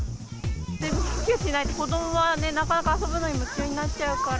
注意しないと、子どもはなかなか遊ぶのに夢中になっちゃうから。